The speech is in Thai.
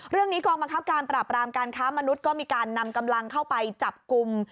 กองบังคับการปราบรามการค้ามนุษย์ก็มีการนำกำลังเข้าไปจับกลุ่ม